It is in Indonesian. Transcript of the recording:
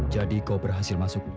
jadi kau berhasil masuk